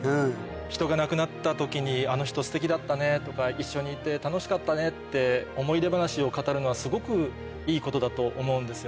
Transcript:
人が亡くなった時にあの人すてきだったねとか一緒にいて楽しかったねって思い出話を語るのはすごくいいことだと思うんですよね。